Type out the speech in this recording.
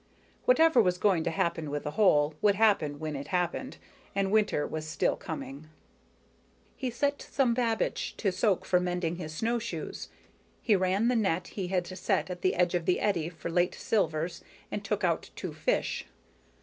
Whatever was going to happen with the hole would happen when it happened, and winter was still coming. He set some babiche to soak for mending his snowshoes. He ran the net he had set at the edge of the eddy for late silvers and took out two fish.